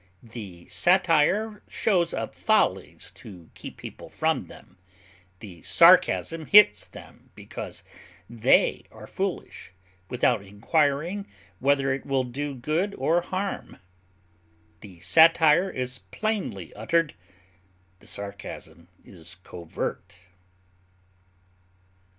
The satire shows up follies to keep people from them; the sarcasm hits them because they are foolish, without inquiring whether it will do good or harm; the satire is plainly uttered; the sarcasm is covert.